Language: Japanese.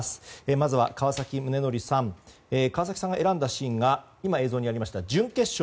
まずは川崎宗則さん川崎さんが選んだシーンが今、映像にありました準決勝